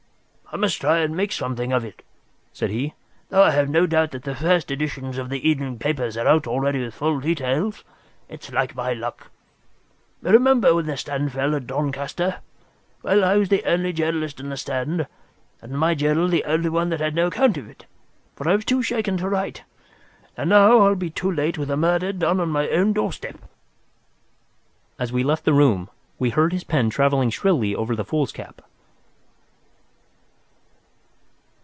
"I must try and make something of it," said he, "though I have no doubt that the first editions of the evening papers are out already with full details. It's like my luck! You remember when the stand fell at Doncaster? Well, I was the only journalist in the stand, and my journal the only one that had no account of it, for I was too shaken to write it. And now I'll be too late with a murder done on my own doorstep." As we left the room, we heard his pen travelling shrilly over the foolscap.